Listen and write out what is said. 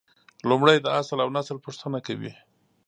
لومړی یې د اصل اونسل پوښتنه کوي.